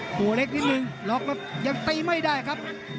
ตัวเล็กนิดนึงล็อกแล้วยังตีไม่ได้ครับ